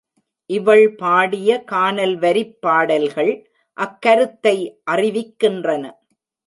இவள் பாடிய கானல் வரிப் பாடல்கள் அக் கருத்தை அறிவிக்கின்றன.